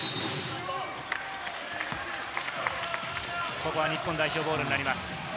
ここは日本代表ボールになります。